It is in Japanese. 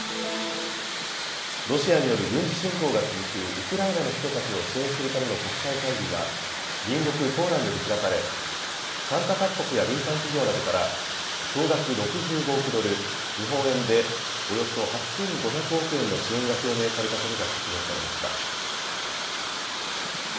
ロシアによる軍事侵攻が続くウクライナの人たちを支援するための国際会議が隣国ポーランドで開かれ参加各国や民間企業などから総額６５億ドル、日本円でおよそ８５００億円の支援が表明されたことが説明されました。